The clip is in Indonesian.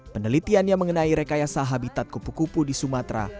penelitian yang mengenai rekayasa habitat kupu kupu di sumatera